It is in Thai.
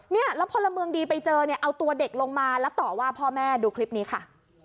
เนี่ยแล้วพลเมืองดีไปเจอเนี่ยเอาตัวเด็กลงมาแล้วต่อว่าพ่อแม่ดูคลิปนี้ค่ะ